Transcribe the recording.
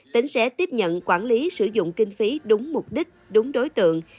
tỉnh sẽ tiếp nhận quản lý sử dụng kinh phí đúng mục đích đúng đối tượng